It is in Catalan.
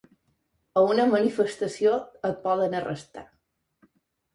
A una manifestació et poden arrestar.